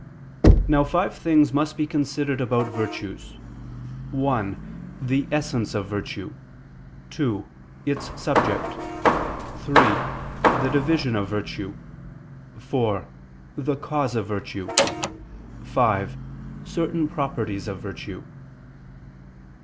Now five things must be considered about virtues: (1) the essence of virtue; (2) its subject; (3) the division of virtue; (4) the cause of virtue; (5) certain properties of virtue.